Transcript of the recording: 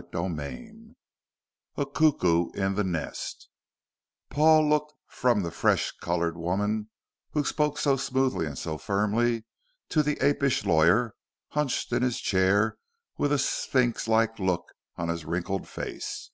CHAPTER XI A CUCKOO IN THE NEST Paul looked from the fresh colored woman who spoke so smoothly and so firmly to the apish lawyer hunched in his chair with a sphinx like look on his wrinkled face.